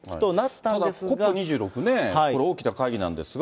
ただＣＯＰ２６ね、これ大きな会議なんですが。